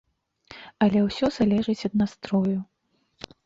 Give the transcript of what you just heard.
Але ўсё залежыць ад настрою.